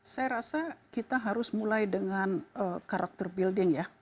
saya rasa kita harus mulai dengan karakter building ya